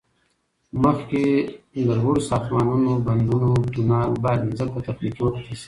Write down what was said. مخکې له لوړو ساختمانو، بندونو، تونل، باید ځمکه تخنیکی وکتل شي